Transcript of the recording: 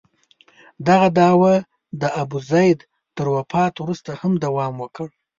دغه دعوې د ابوزید تر وفات وروسته هم دوام وکړ.